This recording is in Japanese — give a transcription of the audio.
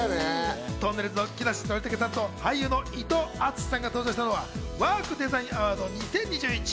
とんねるずの木梨憲武さんと俳優の伊藤淳史さんが登場したのはＷＯＲＫＤＥＳＩＧＮＡＷＡＲＤ２０２１。